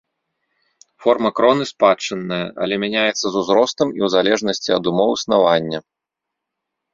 Форма кроны спадчынная, але мяняецца з узростам і ў залежнасці ад умоў існавання.